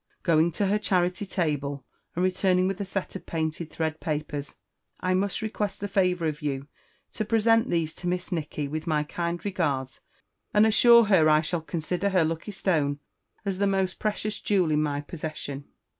Going to her charity table, and returning with a set of painted thread papers, "I must request the favour of you to present these to Miss Nicky, with my kind regards, and assure her I shall consider her lucky stone as the most precious jewel in my possession."